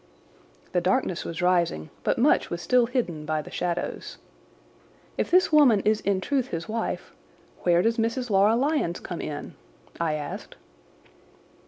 The darkness was rising, but much was still hidden by the shadows. "If this woman is in truth his wife, where does Mrs. Laura Lyons come in?" I asked.